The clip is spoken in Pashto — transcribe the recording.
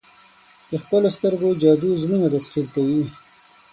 د ښکلو سترګو جادو زړونه تسخیر کوي.